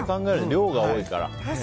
量が多いから。